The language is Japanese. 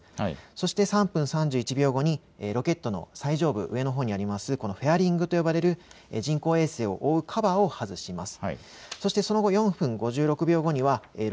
そして３分３１秒後にロケットの最上部、上のほうにあるフェアリングと呼ばれる人工衛星を覆うカバーを外します。